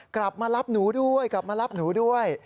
กลับมารับหนูด้วยกลับมารับหนูด้วย